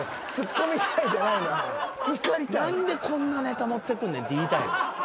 何でこんなネタ持ってくんねんって言いたい。